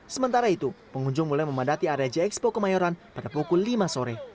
sementara itu pengunjung mulai memadati area gxpok mayoran pada pukul lima sore